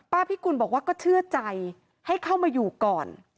พิกุลบอกว่าก็เชื่อใจให้เข้ามาอยู่ก่อน